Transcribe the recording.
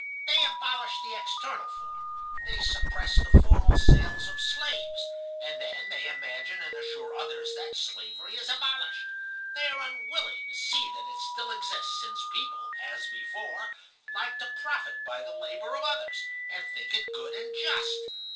They abolish the external form, they suppress the formal sales of slaves, and then they imagine and assure others that slavery is abolished. They are unwilling to see that it still exists, since people, as before, like to profit by the labor of others, and think it good and just.